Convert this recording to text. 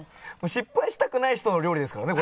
失敗したくない人の料理ですからね